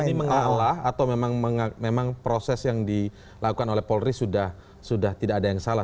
jadi mengalah atau memang proses yang dilakukan oleh polri sudah tidak ada yang salah